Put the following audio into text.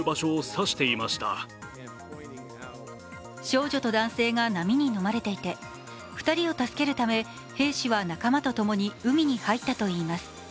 少女と男性が波にのまれていて、２人を助けるため兵士は仲間と共に海に入ったといいます。